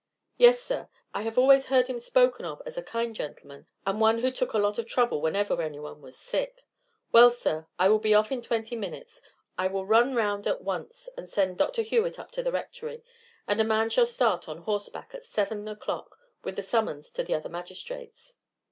"Yes, sir; I have always heard him spoken of as a kind gentleman, and one who took a lot of trouble whenever anyone was sick. Well, sir, I will be off in twenty minutes. I will run round at once and send Dr. Hewett up to the Rectory, and a man shall start on horseback at seven o'clock with the summons to the other magistrates."